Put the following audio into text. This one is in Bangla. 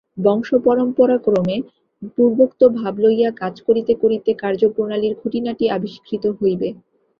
বংশপরম্পরাক্রমে পূর্বোক্ত ভাব লইয়া কাজ করিতে করিতে কার্যপ্রণালীর খুঁটিনাটি আবিষ্কৃত হইবে।